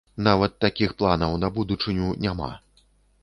Нават такіх планаў на будучыню няма?